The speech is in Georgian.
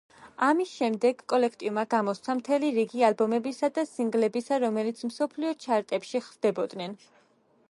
ამის შემდეგ კოლექტივმა გამოსცა მთელი რიგი ალბომების და სინგლებისა, რომლებიც მსოფლიო ჩარტებში ხვდებოდნენ.